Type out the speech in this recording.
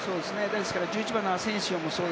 ですから１１番のアセンシオもそう